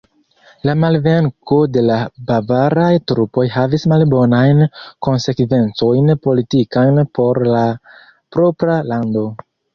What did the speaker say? La malvenko de la bavaraj trupoj havis malbonajn konsekvencojn politikajn por la propra lando.